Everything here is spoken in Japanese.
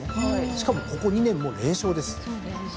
しかもここ２年もう連勝です。